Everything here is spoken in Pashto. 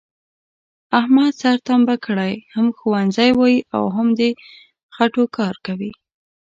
احمد سر تمبه کړی، هم ښوونځی وایي او هم د خټوکار کوي،